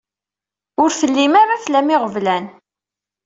Ur tellim ara tlam iɣeblan.